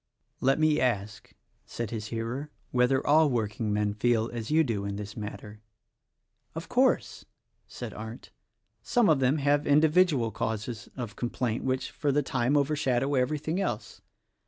"Let me ask," said his hearer, "whether all work ingmen feel as you do in this matter?" "Of course," said Arndt, "some of them have indi vidual causes of complaint, which, for the time, over shadow everything else.